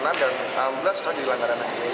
kita dipercaya sebagai barbershop ke presiden lagi